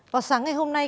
học sáng ngày hôm nay